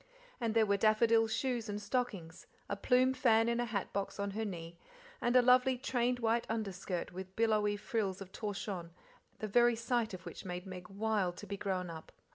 And there were daffodil shoes and stockings, a plume fan in a hat box on her knee, and a lovely trained white underskirt with billowy frills of torchon, the very sight of which made Meg wild to be grown up.